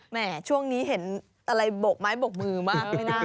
แม่ช่วงนี้เห็นอะไรโบกไม้บกมือมากไม่ได้